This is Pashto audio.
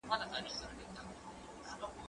کتابونه وړه،